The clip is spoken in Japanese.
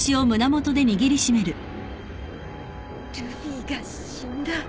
ルフィが死んだ？